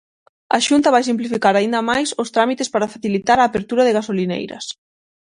A Xunta vai simplificar aínda máis os trámites para facilitar a apertura de gasolineiras.